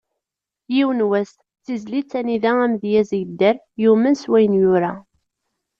"Yiwen wass", d tizlit anida amedyaz yedder, yumen s wayen yura.